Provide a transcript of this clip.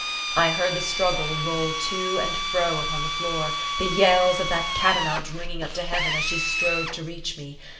I heard the struggle roll to and fro upon the floor, the yells of that catamount ringing up to Heaven as she strove to reach me.